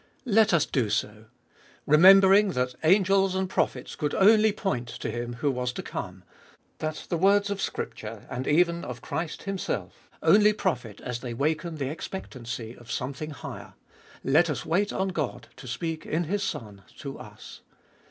Let us do so. Remembering that angels and prophets could only point to Him who was to come, that the words of Scripture, and even of Christ Himself, only profit as they waken the expectancy of something higher, let us wait on God to speak in His Son to us.